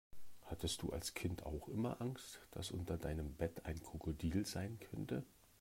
Hattest du als Kind auch immer Angst, dass unter deinem Bett ein Krokodil sein könnte?